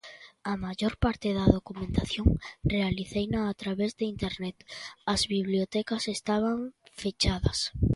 A maior parte da documentación realiceina a través de Internet, as bibliotecas estaban fechadas.